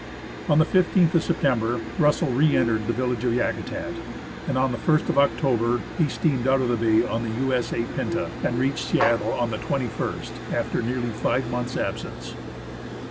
On the 15th of September Russell re entered the village of Yakutat, and on the ist of October he steamed out of the bay on the U.S.A. Pinta, and reached Seattle on the 2 1 St, after nearly five months' absence.